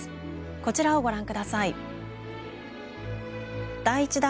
こちらをご覧下さい。